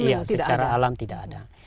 iya secara alam tidak ada